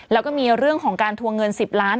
แล้วก็มีเรื่องของการทวงเงิน๑๐ล้าน